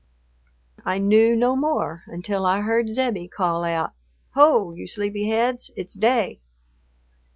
I knew no more until I heard Zebbie call out, "Ho, you sleepy heads, it's day."